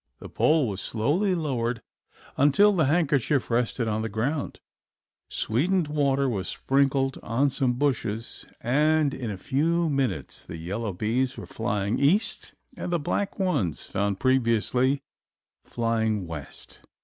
The pole was slowly lowered until the handkerchief rested on the ground, sweetened water was sprinkled on some bushes, and in a few minutes the yellow bees were flying east and the black ones found previously flying west.